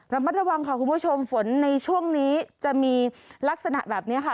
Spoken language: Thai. ระมัดระวังค่ะคุณผู้ชมฝนในช่วงนี้จะมีลักษณะแบบนี้ค่ะ